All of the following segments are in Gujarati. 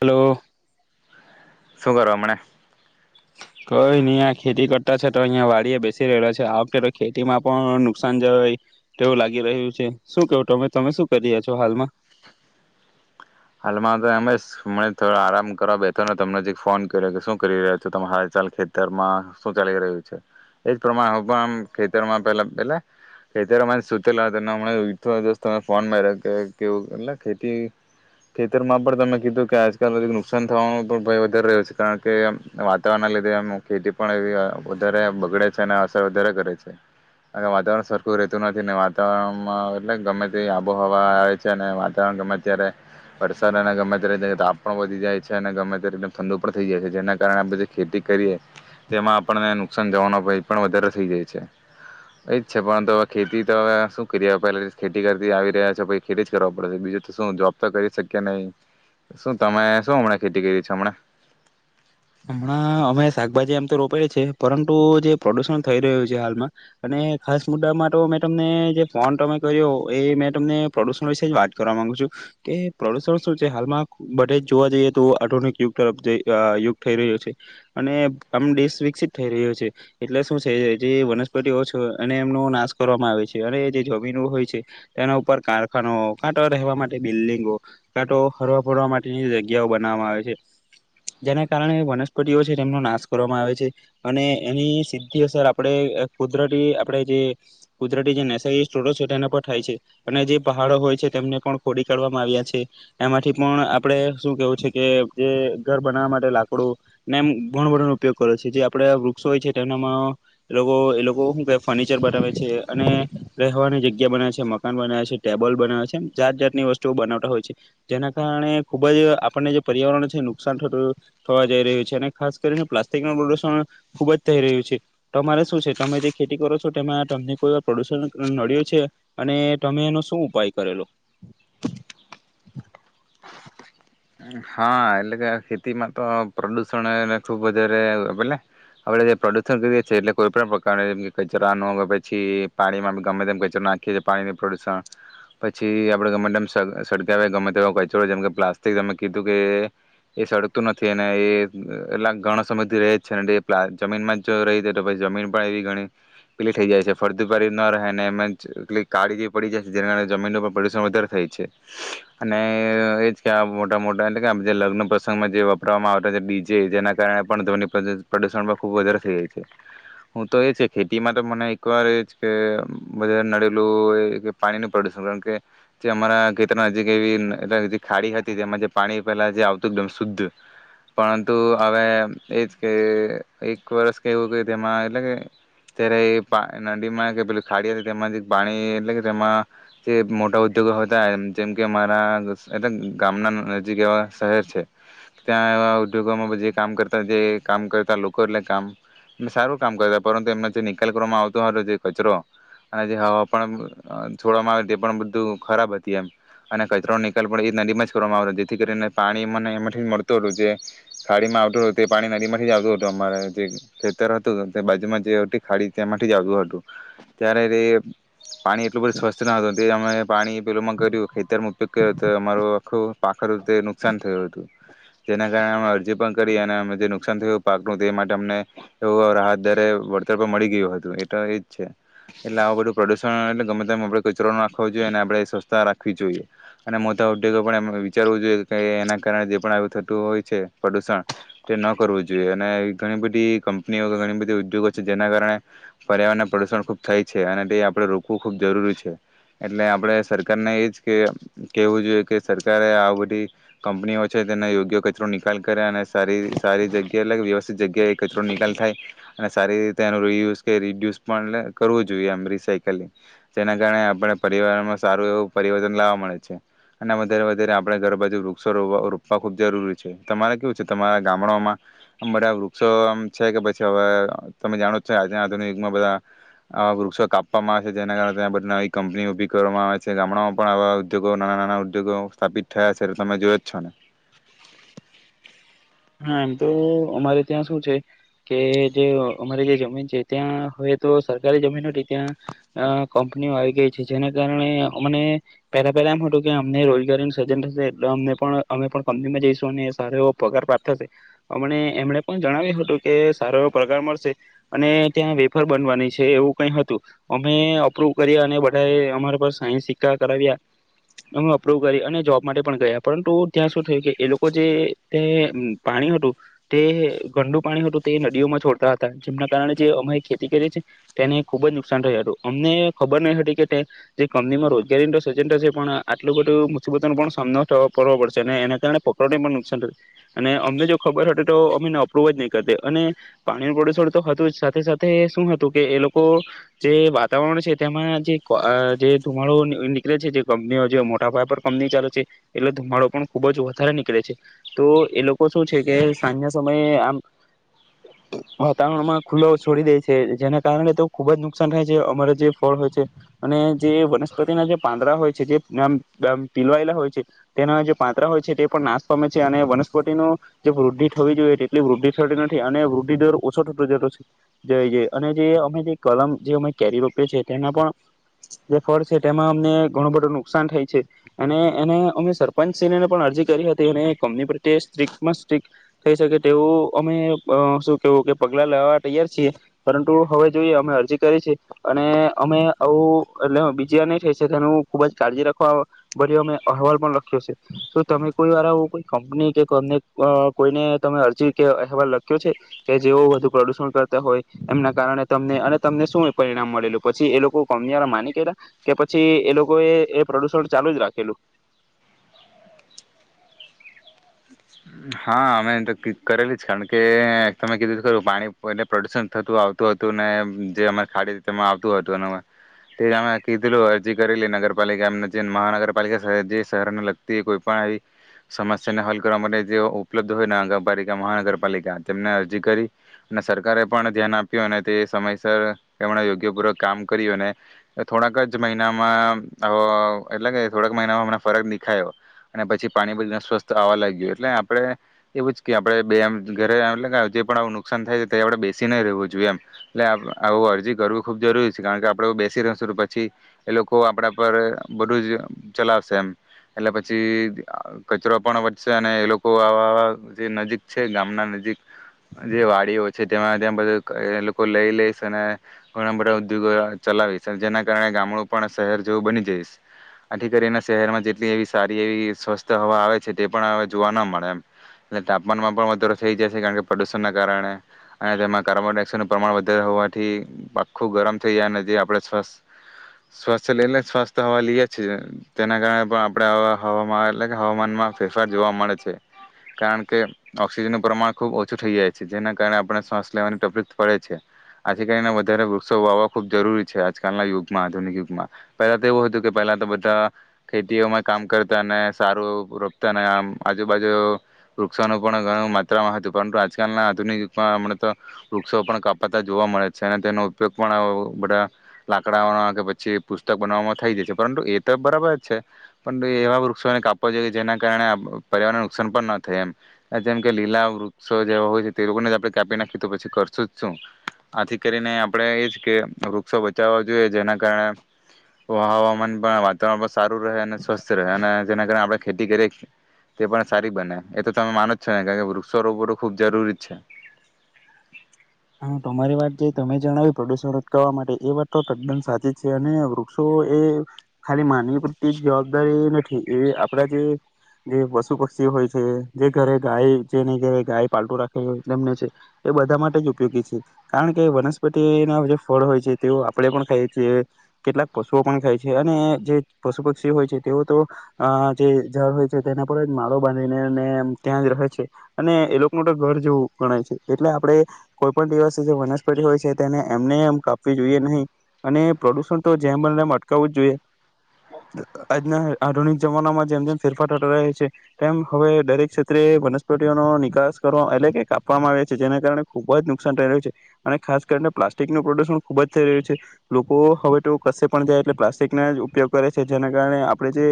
હલો. શું કરો હમણા? કંઈ નહીં આ ખેતી કરતા છે તો અહિયાં વાડીએ બેસી રહેલા છે, આ વખતે તો ખેતીમાં પણ નુકસાન જય તેવું લાગી રહ્યું છે, શું કેવું તમે તમે શું કરી રહિંયા છો હાલમાં? હાલમાં તો અમે સ અમે થોડો આરામ કરવા બેઠોને તમને હજી ફોન કર્યો કે શું કરી રહ્યા છો, તમાર હાલ-ચાલ ખેતરમાં શું ચાલી રહ્યું છે? એજ પ્રમાણે હું પણ ખેતરમાં પેલા [unintelligible] ખેતરમાંથી [unintelligible] એટલે ખેતી ખેતરમાં પણ તમે કીધું કે આજકાલ વળી નુકસાન થવાનું પણ ભય વધારે રહ્યો છે, કારણ કે વાતાવરણના લીધે એમ ખેતી પણ એવી વધારે બગડે છે અને અસર વધારે કરે છે, અને વાતાવરણ સરખું રહેતું નથી ને વાતાવરણમાં એટલે ગમે તે આબોહવા આવે છે અને વાતાવરણ ગમે ત્યારે વરસાદ અને ગમે ત્યારે તે તાપ પણ વધી જાય છે અને ગમે ત્યારે તે ઠંડું પણ થઈ જાય છે, જેના કારણે આપણે જે ખેતી કરીએ તેમાં આપણને નુકસાન જવાનું ભય પણ વધારે થઈ જાય છે, એજ છે પણ હવે ખેતી તો હવે શું કરીએ ખેતી કરતી આવી રહ્યા છો પછી ખેતી જ કરવા પડે બીજું તો શું જોબ તો કરી શક કે નહીં, શું તમે શું હમણાં ખેતી કરી છે હમણાં? હા અમે તો શાકભાજી આમ તો રોપારી છે, પરંતુ જે પ્રદુષણ થઈ રહ્યું છે હાલમાં અને ખાસ મુદ્દામાં તો મેં તમને જે ફોન તમે કર્યો એ મેં તમને પ્રદુષણ વિશે જ વાત કરવા માંગુ છું, કે પ્રદુષણ શું છે હાલમાં બધે જ જોવા જઈએ તો આધુનિક યુગ તરફ જઈ અહ યુગ જઈ રહ્યો છે, અને આમ દેશ વિકસિત થઈ રહ્યો છે, એટલે શું છે જે વનસ્પતિઓ છો અને એમનો નાશ કરવામાં આવે છે અને જે જમીનો હોય છે તેના ઉપર કારખાનો, કાં તો રહેવા માટે બિલ્ડિંગો, કાં તો હરવા ફરવા માટેની જગ્યાઓ બનાવામાં આવે છે જેને કારણે વનસ્પતિઓ છે તેમનો નાશ કરવામાં આવે છે, અને એની સીધી અસર આપણે કુદરતી આપણે જે કુદરતી જે [unintelligible] છે તેના ઉપર થાય છે અને જે પહાડો હોય છે તેમને પણ ખોદી કાઢવામાં આવ્યા છે, એમાંથી પણ આપણે શું કેવું છે કે જે ઘર બનાવવા માટે લાક ડું ને એમ ઘણો બધોનો ઉપયોગ કરે છે જે આપણેે વૃક્ષો હોય છે તેનામાં લોગો એ લોકો હું કેય ફર્નિચર બનાવે છે, અને રહેવાની જગ્યા બનાવે છે, મકાન બનાવે છે, ટેબલ બનાવે છે, એમ જાત જાતની વસ્તુઓ બનાવતા હોય છે. જેના કારણે ખુબ જ આપણને જે પર્યાવરણ છે નુકસાન થતું થવા જઈ રહ્યું છે અને ખાસ કરીને પ્લાસ્ટિકનો પ્રદુષણ ખુબ જ થઈ રહ્યું છે. તમારે શું છે તમે જે ખેતી કરો છો તેમાં તમને કોઈ પ્રદુષણ નડ્યું છે અને તમે એનો શું ઉપાય કરેલો? હા એટલે કે ખેતીમાં તો પ્રદુષણએ ખુબ વધારે ભલે આપણે જે પ્રદુષણ કરીએ છીએ એટલે કોઈ પણ પ્રકારે કચરા નો કે પછી પાણીમાં ભી ગમે તેમ કચરો નાખી છીએ પાણીનું પ્રદુષણ, પછી આપણે ગમે તેમ સળ સળગાવે ગમે તેવો કચરો જેમ કે પ્લાસ્ટિક કીધું કે એ સળગતું નથી અને એ એટલા ઘણા સમયથી રહે જ છે, એ પ્લા જમીનમાં જ રહી જતો તો પછી જમીન પણ એવી ઘણી પેલી થઈ જાય છે ફળદ્રુપ વળી ન રહેને એમાં જ અ પેલી કાળી જેવી પડી જાય છે, જેના કારણે જમીન ઉપર પ્રદુષણ વધારે થાય છે અને એ મોટા મોટા એટલે કે આમ જે લગ્ન પ્રસંગમાં જે વાપરવામાં આવતા જે ડીજે જે જેના કારણે પણ ધ્વની પ્રદૂષણ પ્રદૂષણ પણ ખુબ વધારે થઈ જાય છે. હું તો એ છે ખેતીમાં તો મને એક વાર એ બધા નડેલું કે પાણીનું પ્રદુષણ કારણ કે જે અમારા ખેતર નજીક એવી ખાડી હતી તી જેમાં જે પાણી પહેલા જે આવતું એકદમ શુદ્ધ પરંતુ હવે એજ કે એક વર્ષ કે એવું કે તેમાં એટલે કે ત્યારે ઈ પાણી નદીમાં કે પેલું ખાડી હતી, તેમાં જે પાણી એટલે કે તેમાં જે મોટા ઉદ્યોગો હતા એમ જેમ કે અમારા એટ ગામના નજીક એવા શહેર છે, ત્યાં એવા ઉદ્યોગોમાં પછી કામ કરતા જે કામ કરતા લોકો એટલે કામ સારું કામ કરતા પરંતુ એમનો જે નિકાલ કરવામાં આવતો હતો જે કચરો, અને જે હવા પણ છોડવામાં આવે તે પણ બધું ખરાબ હતી એમ, અને કચરો નિકાલ પણ એ જ નદીમાં જ કરવામાં આવતા તેથી કરીને પાણી મને એમાંથી જ મળતું હતું જે ખાડીમાં આવતું હતું, તે પાણી નદીમાંથી જ આવતું હતું અમારા જે ખેતર હતું તે બાજુમાં જે હતી ખાડી તેમાંથી જ આવતું હતું. ત્યારે રે પાણી એટલું બધું સ્વસ્થ ન હતું, તે અમે પાણી પેલું મા કર્યું ખેતરનો ઉપયોગ કર્યો તો અમારો તો પાકને નુકસાન થયું હતું જેના કારણે અમે અરજી પણ કરી અને તે નુકસાન થયું પાકનું તે માટે અમને એવું રાહતદારે વળતર પર મળી ગયું હતું એ તો એ જ છે. એટલે આવું બધું પ્રદુષણ એટલે ગમે તેમ કચરો ન નાખવો જોઈએ અને આપણે સ્વચ્છતા રાખવી જોઈએ, અને મોટા ઉધ્યોગો પણ એમ વિચારવું જોઈએ કે એના કારણે જે પણ આવું થતું હોય છે પ્રદુષણ તે ન કરવું જોઈએ, અને એવી ઘણી બધી કંપનીઓ કે ઘણી બધી ઉદ્યોગો છે જેના કારણે પર્યાવરણને પ્રદુષણ ખૂબ થાય છે અને તે આપણે રોકવું ખૂબ જરૂરી છે, એટલે આપણે સરકારને એ જ કે કહેવું જોઈએ કે સરકારે આ બધી કંપનીઓ છે તેનો યોગ્ય કચરો નિકાલ કરે અને સારી સારી જગ્યાએ એટલે કે વ્યવસ્થિત જગ્યાએ એ કચરો નિકાલ થાય અને સારી રીતે એનો રિયુઝ કે રીડ્યુસ પણ લે કરવું જોઈએ એમ રિસાયકલિંગ. જેના કારણે આપણે પર્યાવરણમાં સારું એવું પરિવર્તન લાવવા મળે છે. અને વધારે વધારે આપણે ઘર બાજુ વૃક્ષો રોવા રોપવા ખૂબ જરૂરી છે. તમારે કેવું છે તમારા ગામડામાં આમ બધા વૃક્ષો આમ છે કે પછી હવે તમે જાણો છો આજે આધુનિકમાં બધા આવા વૃક્ષો કાપવામાં આવે છે જેના કારણે ત્યાં બધી નવી કંપની ઊભી કરવામાં આવે છે. ગામડાઓમાં પણ આવા ઉદ્યોગો નાના નાના ઉદ્યોગો સ્થાપિત થાયા છે એટલે તમે જોયોજ છો ને. હા, એમ તો અમારે ત્યાં શું છે કે જે અમારી જે જમીન છે ત્યાં હવે તો સરકારી જમીન હતી ત્યાં અહ કંપનીઓ આવી ગઈ છે જેના કારણે આમને પેલા પેલા એમ હતું કે અમને રોજગારીનું સર્જન થશે એટલે અમને પણ, અમે પણ કંપનીમાં જઈશું ને સારો એવો પગાર પ્રાપ્ત થશે. અમને એમણે પણ જણાવ્યું હતું કે સારો પગાર મળશે અને ત્યાં વેફર બનવાની છે એવું કંઈ હતું. અમે અપ્રુવ કરી અને બધાએ અમારા પાસેથી સાઇન-સિક્કા કરાવ્યા. અમે અપ્રુવ કરી અને જોબ માટે પણ ગયા પરંતુ ત્યાં તો થઈ કે એ લોકો જે તે પાણી હતું તે ગંદું પાણી હતું, તે નદીઓમાં છોડતા હતા, જેના કારણે જે અમે ખેતી કરી છે તેને ખૂબ જ નુકસાન થયું હતું. અમને ખબર નહોતી કે તે તે કંપનીમાં રોજગારીનું સર્જન નહીં થાય, પણ આટલી બધી મુશ્કેલીઓનો પણ સામનો તો કરવો પડશે. જેને એના કારણે પ્રોપર્ટી પણ નુકસાન થયું અને અમને જો ખબર હોત તો અમને અપ્રુવ જ નહીં કરત. અને પાણીનું પ્રદૂષણ તો હતું જ, સાથે સાથે શું હતું કે એ લોકો જે વાતાવરણ છે તેમાં જે અહ ધુમાડો નીકળે છે, જે કંપનીઓ મોટા પાયે ચાલે છે એટલે ધુમાડો પણ ખૂબજ વધારે નીકળે છે. તો એ લોકો શું છે કે સાંજના સમયે આમ વાતાવરણમાં ખુલ્લો છોડી દે છે, જેના કારણે તેઓ ખૂબ જ નુકસાન થાય છે. અમારે જે ફળ હોય છે અને જે વનસ્પતિના જે પાંદડા હોય છે, જે આમ દામ તિલવાયા હોય છે, તેના જે પાનત્રા હોય છે તે પણ નાશ પામે છે અને વનસ્પતિનો જે વૃદ્ધિ થવી જોઈએ તેટલી વૃદ્ધિ થતી નથી અને વૃદ્ધિ દર ઓછો થતો જતો છે. જય જે અને જે અમે જે કલમ જે અમે કેરી વાપરીએ છીએ તેમાં પણ જે ફળ છે તેમાં અમને ઘણું બધું નુકસાન થાય છે અને એને અમે સર પંચ સિહને પણ અરજી કરી હતી અને કંપની પ્રત્યે સ્ટ્રીક પણ સ્ટ્રીક થઈ શકે તેવું અમે અહ શું કહેવું કે પગલાં લેવા તૈયાર છીએ, પરંતુ હવે જોએ અમે અરજી કરી છે અને અમે આવું એટલે બીજી વાર નહીં થઈ શકે અમે ખૂબજ કાળજી રાખવા ભર્યો અમે અહેવાલ પણ થશે. તો તમે કોઈ વાર કોઈ આવું કોઈ કંપની કે કમ ને અહ કોઈને અહ અરજી કે અહેવાલ લખ્યો છે કે જેઓ વધુ પ્રદૂષણ કરતા હોય? એમના કારણે તમને શું પરિણામ મળેલું? પછી એ લોકો, કંપનીવાળા, માની ગયા કે પછી એ લોકોએ એ પ્રદૂષણ ચાલુ જ રાખેલું? હા અમે તો ટિક કરેલી જ, કારણ કે તમે કીધું ખું પાણી એલે પ્રદૂષણ થતું આવતું હતું ને જે ખાડી તેમાં આવતું હતું, અને તે અમે કીધેલું અરજી કરેલી નગરપાલિકા એમને, જે મહાનગરપાલિકા જે શહેરને લગતી કોઈ પણ આવી સમસ્યાને હલ કરવા માટે જે ઉપલબ્ધ હોય નગરપાલિકા, મહાનગરપાલિકા તેમને અરજી કરી અને સરકારે પણ ધ્યાન આપ્યું, અને તે સમયસર એમણે યોગ્યપૂર્વક કામ કર્યું. અને થોડાક જ મહિનામાં, આવ એટલે કે થોડાક મહિનામાં, ફરક દેખાયો અને પછી પાણી બધી સ્વસ્થ આવવા લાગ્યું એટલે આપ આપણે એવું જ કે આપણે બે ઘરે આવેલા, એટલે જે પણ આવું નુકસાન થાય છે તે આપણે બેસી નહીં રહેવું જોઈએ એમ. એટલે આવ-આવું અરજી કરવી ખૂબ જરૂરી છે, કારણ કે આપણે બેસી રહીશું તો પછી એ લોકો આપણા પર બધું જ ચલાવશે એમ. એટલે પછી કચરો પણ વધશે અને એ લોક કો આવાવા જે નજીક છે, ગામના નજીક જે વાડીઓ છે તેમાં ત્યાં બધું એ લોકો લઈ લઈશે, અને ઘણાં બધા ઉદ્યોગો ચલાવશે, જેના કારણે ગામડું પણ શહેર જેવું બની જઈશે. આથી કરીને શહેરમાં જેટલી એવી સારી એવી સ્વચ્છ હવા આવે છે, તે પણ હવે જોવા ના મળ તેમ ને તાપમાનમાં પણ વધારો થઈ જાય છે, કારણ કે પ્રદૂષણના કારણે અને તેમાં કાર્બન ડાયોક્સાઇડનું પ્રમાણ વધારે હોવાથી આખું ગરમ થઈ જાય છે. આપણે સ્વસ્ત સ્વસ્થ એટલે સ્વસ્થ હવા લઈએ છીએ, તેના કારણે પણ આપણે હવામાં હવામાનમાં ફેરફાર જોવા મળે છે. કારણ કે ઓક્સિજનનું પ્રમાણ ખૂબ ઓછું થઈ જાય છે, જેના કારણે આપણે શ્વાસ લેવાની તકલીફ પડે છે. આજ કરીને વધારે વૃક્ષો વાવવા ખૂબ જરૂરી છે. આજકાલના યુગમાં, આધુનિક યુગમાં, પહેલા તો એવું હતું કે પહેલા તો બધા ખેતીઓમાં કામ કરતા ને સારું રોપતા ને આમ આજુ બાજુ વૃક્ષોનું પણ ઘણું માત્રામાં હતું, પરંતુ આજકાલના આધુનિક યુગમાં મને તો વૃક્ષો પણ કાપાતા જોવા મળે છે અને તેનો ઉપયોગ પણ આવું બધા લાકડાઓના કે પછી પુસ્તક બનાવવામાં થઈ જાય છે. પરંતુ એ તો બરાબર જ છે, પણ એવા વૃક્ષોને કાપવા જોઈએ જેના કારણે આપ પર્યાવરણને નુકસાન પણ ના થાય એમ. અને જેમ કે લીલા વૃક્ષો જેવા હોય છે તે લોકોને આ પણે કાપી નાખી તો પછી કરશું શું આથી કરીને આપડણે એ જ કે વૃક્ષો બચાવવા જોઈએ, જેના કારણે હવામાન પણ, વાતાવરણ સાત રહે અને સ્વસ્થ રહે, અને જેના કારણે આપણે ખેતી કરે તે પણ સારી બને. એ તો તમે માનો જ છો ને, કારણ કે વૃક્ષ રોપવુ તો ખૂબ જરૂરી જ છે. હા, તમારી વાત જે તમે જણાવ્યું પ્રદૂષણ અટકાવવા માટે, એ વાત તો તદ્દન સાચી જ છે. અને વૃક્ષો એ ખાલી માનવી પૂરતી જવાબદારી નથી, એ આપડા જે જે પશુ-પક્ષી હોય છે, જે ઘરે ગાય, જેને ઘરે ગાય પાળતું રાખે હોય, તેમને છે, એ બધા માટે જ ઉપ યોગી છે. કારણ કે વનસ્પતિના જે ફળ હોય છે તેઓ આપણે પણ ખાઈએ છીએ, કેટલાક પશુઓ પણ ખાય છે, અને જે પશુ-પક્ષી હોય છે તેઓ તો આ જે ઝાડ હોય છે તેના પર જ માળો બાંધીને ને એમ ત્યાં જ રહે છે, અને એ લોકનું તો ઘર જેવું ગણાય છે. એટલે આપણે કોઈ પણ દિવસે જે વનસ્પતિ હોય છે તેને એમને એમ કાપવી જોઈએ નહીં. અને પ્રદૂષણ તો જેમ બને તેમ અટકાવવું જ જોઈએ. આજના આધુનિક જમાનામાં જેમ જેમ ફેરફાર ઠતો રહે છે, તેમ હવે દરેક ક્ષેત્રે વનસ્પતિઓનો નિકાસ કરવા, એટલે કે કાપવામાં આવે છે. જેના કારણે ખૂબ જ નુકસાન થઈ રહ્યું છે. અને ખાસ કરીને પ્લાસ્ટિકનું પ્રદૂષણ ખૂબ જ થઈ રહ્યું છે. લોકો હવે તો કશે પણ જાય એટલે પ્લાસ્ટિકના જ ઉપયોગ કરે છે, જેના કારણે આપણે જે,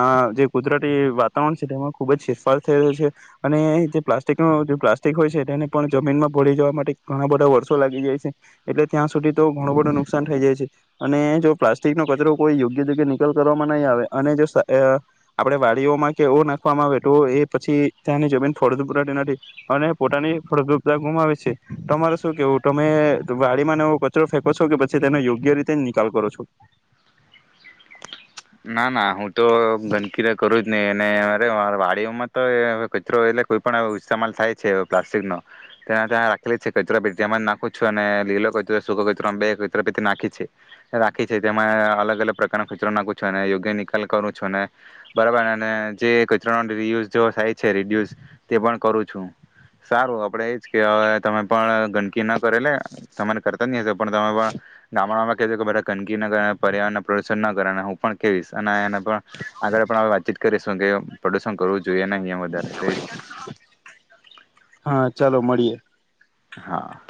આ જે કુદરતી વાતાવરણ છે તેમાં ખૂબ જ ફેરફાર થઈ રહ્યો છે. અને જે પ્લાસ્ટિકનું જે પ્લાસ્ટિક હોય છે, તેને પણ જમીનમાં ભળી જવા માટે ઘણા બધા વર્ષો લાગી જાય છે. એટલે ત્યાં સુધી તો ઘણું બધું નુકસાન થઈ જાય છે. અને જો પ્લાસ્ટિકનો કચરો કોઈ યોગ્ય જગ્યાએ નિકાલ કરવામાં નહીં આવે, અને જો સ આપડે વાડીઓમાં કે એવો નાખવામાં આવે, તો એ પછી ત્યાંની જમીન ફળદ્રુપ રહેતી નથી. અને પોતાની ફળદ્રુપતા ગુમાવે છે. તમારે શું કહેવું? તમે વાડીમાં ને એવુ કચરો ફેંકો છો, કે પછી તેનો યોગ્ય રીતે નિકાલ કરો છો? ના, ના, હું તો, ગંદકી તો કરું જ નહી. ને અરે, મારે વાડીઓમાં તો કચરો એટલે કોઈ પણ ઈસ્તેમાલ થાય છે, પ્લાસ્ટિકનો, તાં ત્યાં રાખેલી જ છે કચરાપેટી એમાં જ નાખું છું. અને લીલો કચરો, સૂકો કચરો, એમ બે કચરાપેટી નાખી છે, રાખી છે, તેમાં અલગ અલગ પ્રકારનો કચરો નાખું છું. છું અને યોગ્ય નિકાલ કરું છું અને, બરાબર. અને જે કચરાનો રીયુઝ જેવો થાય છે, રીડ્યુસ તે પણ કરું છું. સારું, આપડે એ જ કહેવા આવ્યા. તમે પણ ગંદકી ના કરો, એટલે, તમે કરતા જ નહીં હશો, પણ તમે પણ ગામડામાં કહેજો કે બધા ગંદકી ના કરે, પર્યાવરણનું પ્રદૂષણ ના કરે અને હું પણ કહીશ. અને એને પણ આગળ પણ હા, વાતચીત કરીશું કે પ્રદૂષણ કરવું જોઈએ નહીં અને વધારે તો જ. હા, ચાલો મળીએ. હા.